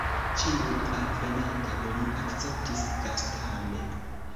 Ĉiun alvenantan li akceptis gastame.